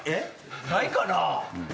ないかな？